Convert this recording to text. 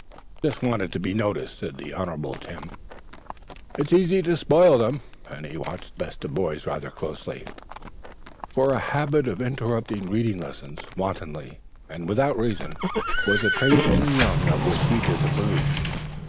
"Just wanted to be noticed," said the Honorable Tim. "It is easy to spoil them." And he watched the best of boys rather closely, for a habit of interrupting reading lessons, wantonly and without reason, was a trait in the young of which he disapproved.